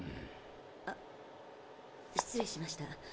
あ失礼しました。